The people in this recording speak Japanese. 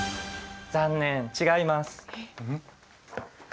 残念違います。